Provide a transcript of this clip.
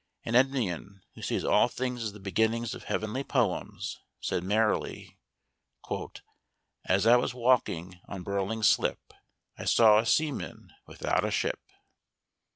And Endymion, who sees all things as the beginnings of heavenly poems, said merrily: "As I was walking on Burling Slip, I saw a seaman without a ship."